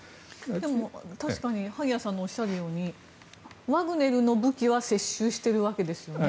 でも確かに萩谷さんがおっしゃるようにワグネルの武器は接収しているわけですよね。